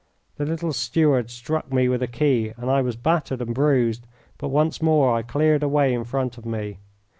The little steward struck me with a key and I was battered and bruised, but once more I cleared a way in front of me.